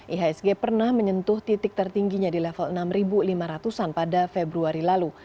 ihsg pernah menyentuh titik tertingginya di level enam lima ratus an pada februari lalu